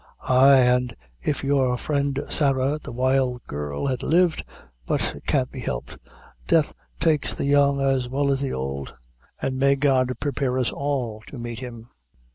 Ay, an' if your friend Sarah, the wild girl, had lived but it can't be helped death takes the young as well as the ould; and may God prepare us all to meet Him!"